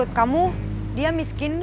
udah aplikasi wunity